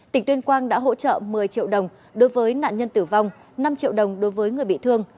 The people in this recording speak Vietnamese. tỉnh tuyên quang đã hỗ trợ một mươi triệu đồng đối với nạn nhân tử vong năm triệu đồng đối với người bị thương